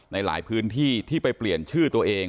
ในหลายพื้นที่ที่ไปเปลี่ยนชื่อตัวเอง